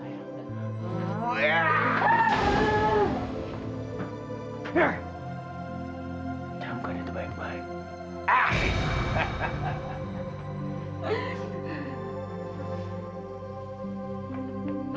jamkan itu baik baik